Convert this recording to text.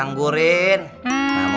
tidak mau bikin amat sih